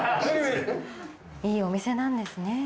いいお店なんですね。